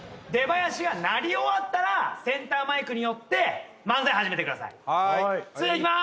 出ばやしが鳴り終わったらセンターマイクに寄って漫才始めてください。